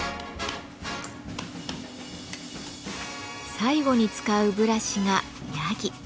最後に使うブラシがヤギ。